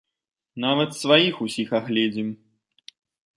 Нават сваіх усіх агледзім.